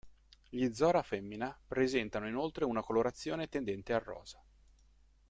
Gli Zora femmina presentano inoltre una colorazione tendente al rosa.